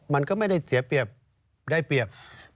มันก็ไม่ได้เสียเปรียบได้เปรียบ